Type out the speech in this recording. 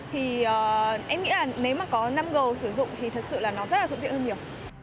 thì em nghĩ là nếu mà có năm g sử dụng thì thật sự là nó rất là thuận tiện hơn nhiều